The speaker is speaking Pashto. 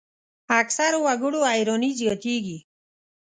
اکثرو وګړو حیراني زیاتېږي.